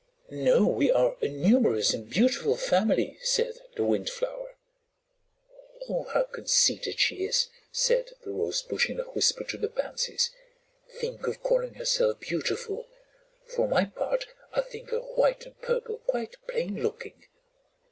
"No, we are a numerous and beautiful family," said the Windflower. "Oh, how conceited she is!" said the Rosebush in a whisper to the Pansies. "Think of calling herself beautiful. For my part, I think her white and purple quite plain looking."